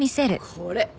これ！